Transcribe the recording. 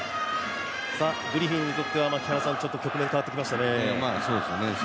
グリフィンにとっては局面、変わってきましたね。